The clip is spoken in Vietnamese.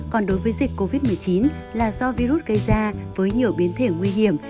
còn đối với dịch covid một mươi chín là do virus gây ra với nhiều biến thể nguy hiểm